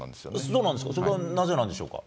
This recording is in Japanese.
そうなんですか、それはなぜなんでしょうか。